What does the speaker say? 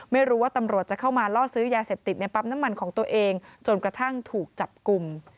ไม่รู้ว่าตำรวจจะเข้ามาล่อซื้อยาเสพติดในปั๊มน้ำมันของตัวเองจนกระทั่งถูกจับกลุ่ม